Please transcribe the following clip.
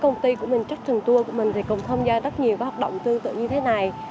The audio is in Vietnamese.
công ty của mình trách trường tour của mình cũng tham gia rất nhiều hợp động tư tự như thế này